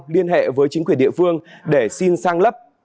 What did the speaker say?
liên hệ với chính quyền địa phương để xin sang lấp